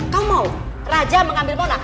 kau mau raja mengambil monas